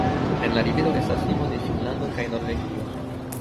En la rivero estas limo de Finnlando kaj Norvegio.